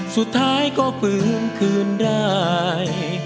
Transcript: สุดท้ายก็ฟื้นคืนได้